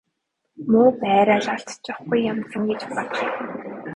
Муу байраа л алдчихгүй юмсан гэж бодох юм.